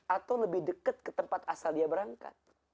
atau lebih dekat ke tempat asal dia berangkat